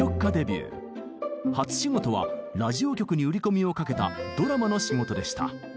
初仕事はラジオ局に売り込みをかけたドラマの仕事でした。